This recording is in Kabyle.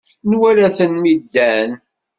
Nwala-ten mi ddan.